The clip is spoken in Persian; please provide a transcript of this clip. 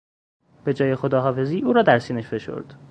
به جای خداحافظی او را در سینه فشرد.